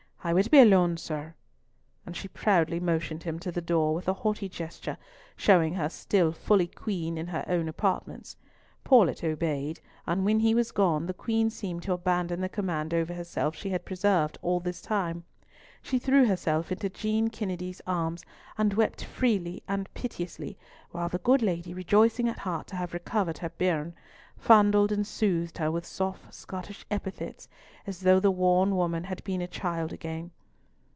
I would be alone, sir," and she proudly motioned him to the door, with a haughty gesture, showing her still fully Queen in her own apartments. Paulett obeyed, and when he was gone, the Queen seemed to abandon the command over herself she had preserved all this time. She threw herself into Jean Kennedy's arms, and wept freely and piteously, while the good lady, rejoicing at heart to have recovered "her bairn," fondled and soothed her with soft Scottish epithets, as though the worn woman had been a child again.